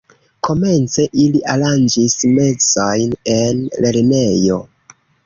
Komence ili aranĝis mesojn en lernejo.